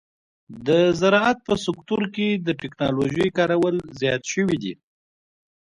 د زراعت په سکتور کې د ټکنالوژۍ کارول زیات شوي دي.